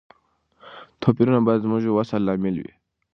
توپیرونه باید زموږ د وصل لامل وي.